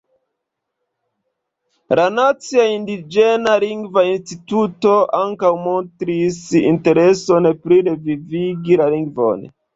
La Nacia Indiĝena Lingva Instituto ankaŭ montris intereson pri revivigi la lingvon.